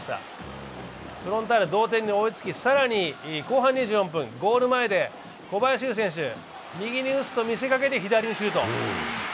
フロンターレ、同点に追いつきさらに後半２４分、ゴール前で小林悠選手、右に打つと見せかけて、左にシュート。